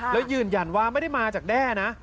แล้วยืนยันว่าไม่ได้มาจากแด้นะ